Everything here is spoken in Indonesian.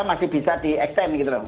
masih bisa di extend gitu loh